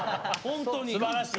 すばらしい！